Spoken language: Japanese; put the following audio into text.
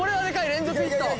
連続ヒット。